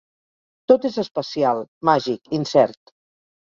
Tot és especial, màgic, incert.